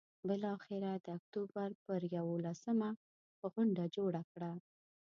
بالآخره د اکتوبر پر یوولسمه غونډه جوړه کړه.